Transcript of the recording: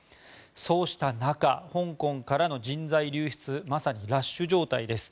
そうした中香港からの人材流出がまさにラッシュ状態です。